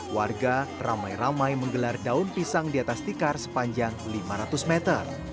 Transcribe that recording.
warga ramai ramai menggelar daun pisang di atas tikar sepanjang lima ratus meter